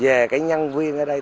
về cái nhân viên ở đây